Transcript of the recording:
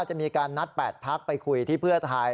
จะมีการนัด๘พักไปคุยที่เพื่อไทย